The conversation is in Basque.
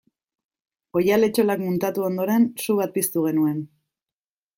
Oihal-etxolak muntatu ondoren su bat piztu genuen.